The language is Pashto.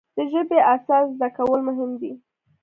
د ژبې اساس زده کول مهم دی.